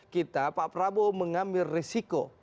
kita pak prabowo mengambil resiko